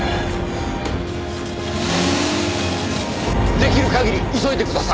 出来る限り急いでください。